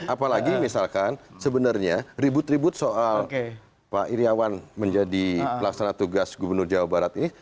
apalagi misalkan sebenarnya ribut ribut soal pak iryawan menjadi pelaksana tugas gubernur jawa barat ini